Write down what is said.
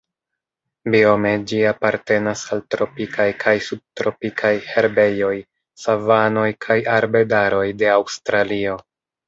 Biome ĝi apartenas al tropikaj kaj subtropikaj herbejoj, savanoj kaj arbedaroj de Aŭstralio.